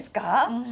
うん。